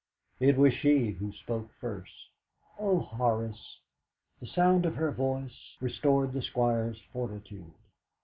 It was she who spoke first. "Oh, Horace!" The sound of her voice restored the Squire's fortitude.